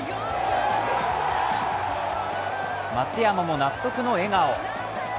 松山も納得の笑顔。